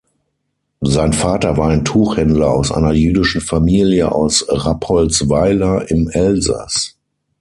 Sein Vater war ein Tuchhändler aus einer jüdischen Familie aus Rappoltsweiler im Elsass.